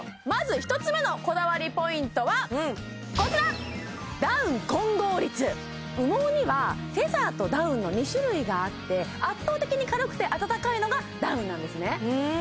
まず１つ目のこだわりポイントはこちら羽毛にはフェザーとダウンの２種類があって圧倒的に軽くてあたたかいのがダウンなんですね